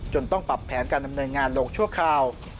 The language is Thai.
ต้องปรับแผนการดำเนินงานลงชั่วคราว